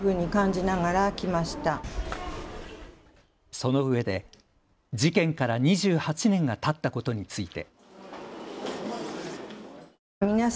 そのうえで事件から２８年がたったことについて。